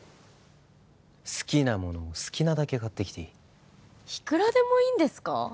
好きなものを好きなだけ買ってきていいいくらでもいいんですか？